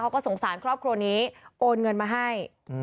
เขาก็สงสารครอบครัวนี้โอนเงินมาให้